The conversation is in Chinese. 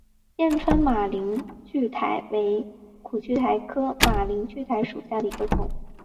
剑川马铃苣苔为苦苣苔科马铃苣苔属下的一个种。